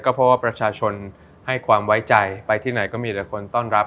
เพราะว่าประชาชนให้ความไว้ใจไปที่ไหนก็มีแต่คนต้อนรับ